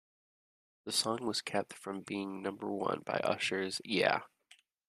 The song was kept from being number one by Usher's Yeah!